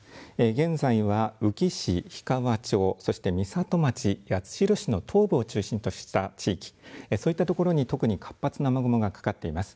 現在は宇城市、氷川町そして美里町、八代市の東部を中心とした地域、そういったところに特に活発な雨雲がかかっています。